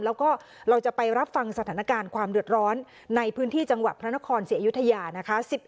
แล้วก็เราจะไปรับฟังสถานการณ์ความเดือดร้อนในพื้นที่จังหวัดพระนครศรีอยุธยานะคะ